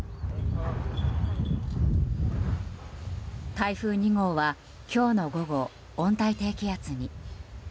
台風２号は、今日の午後温帯低気圧に。